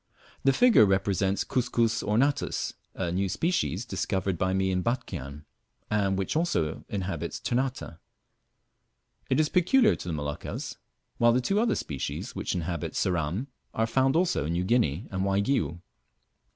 The figure represents Cuscus ornatus, a new species discovered by me in Batchian, and which also inhabits Ternate. It is peculiar to the Moluccas, while the two other species which inhabit Ceram are found also in New Guinea and Waigiou.